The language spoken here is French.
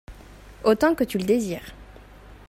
Autant que tu le désires.